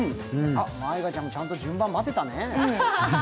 舞香ちゃんもちゃんと順番待てたね。